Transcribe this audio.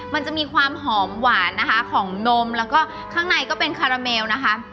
มันจะมีความหอมหวานนะคะของนมแล้วก็ข้างในก็เป็นคาราเมลนะคะ